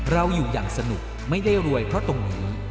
เราอยู่อย่างสนุกไม่ได้รวยเพราะตรงนี้